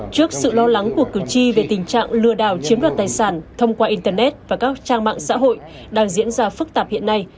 trước sự lo lắng của cử tri về tình trạng lừa đảo chiếm đoạt tài sản thông qua internet và các trang mạng xã hội đang diễn ra phức tạp hiện nay